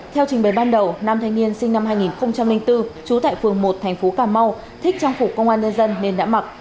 theo trình bày ban đầu nam thanh niên sinh năm hai nghìn bốn trú tại phường một thành phố cà mau thích trang phục công an nhân dân nên đã mặc